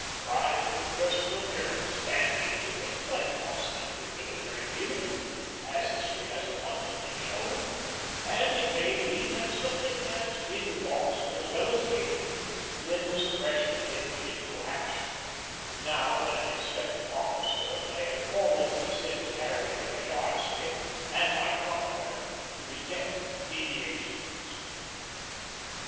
Pride in personal appearance, dandyism, is quite consonant with military feeling, as history has abundantly shown; and it may be that something has been lost as well as gained in the suppression of individual action, now when an inspecting officer may almost be said to carry with him a yard stick and micrometer to detect deviations.